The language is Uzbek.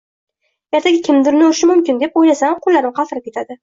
Ertaga kimdir uni urishi mumkin deb o'ylasam, qo'llarim qaltirab ketadi.